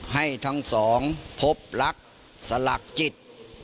ให้ทั้งสองพบรักสลักจิต